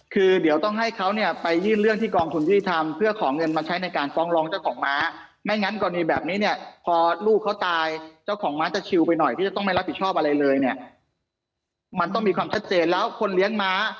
คือเดี๋ยวต้องให้เขาไปยื่นเรื่องที่กองทุนยี่ทำ